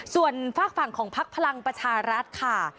ส่วนฝากฝั่งของพักพลังประชารัฐค่ะ